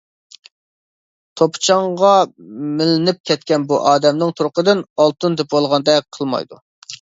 توپا-چاڭغا مىلىنىپ كەتكەن بۇ ئادەمنىڭ تۇرقىدىن ئالتۇن تېپىۋالغاندەك قىلمايدۇ.